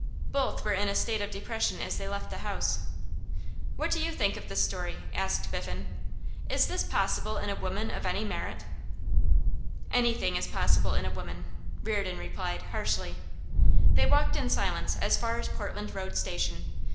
Both were in a state of depression as they left the house. 'What think you of this story?' asked Biffen. 'Is this possible in a woman of any merit?' 'Anything is possible in a woman,' Reardon replied, harshly. They walked in silence as far as Portland Road Station.